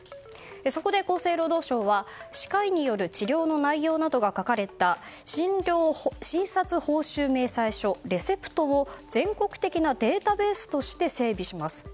そこで厚生労働省は歯科医による治療の内容などが書かれた診察報酬明細書レセプトを全国的なデータベースとして整備します。